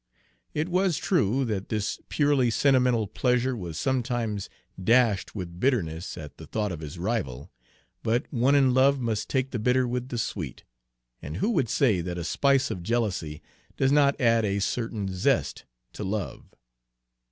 It was true that this purely sentimental pleasure was sometimes dashed with bitterness at the thought of his rival; but one in love must take the bitter with the sweet, and who would say that a spice of jealousy does not add a certain zest to love?